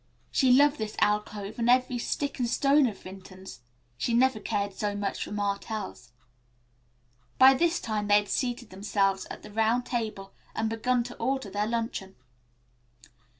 She loved this alcove and every stick and stone of Vinton's. She never cared so much for Martell's." By this time they had seated themselves at the round table and begun to order their luncheon.